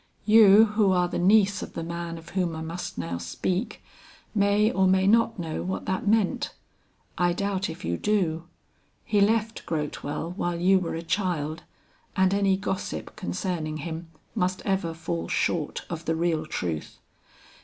You who are the niece of the man of whom I must now speak, may or may not know what that meant. I doubt if you do; he left Grotewell while you were a child, and any gossip concerning him must ever fall short of the real truth.